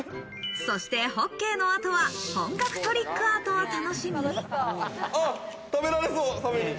そしてホッケーの後は本格トリックアートを楽しみ。